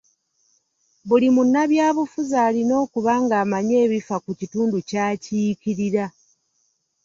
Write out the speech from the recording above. Buli munnabyabufuzi alina okuba ng'amanyi ebifa ku kitundu ky'akiikirira.